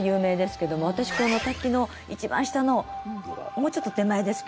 私この滝の一番下のもうちょっと手前ですけど